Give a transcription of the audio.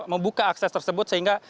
membuka akses tersebut sehingga